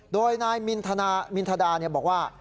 โดยนายมินทดาบอกว่า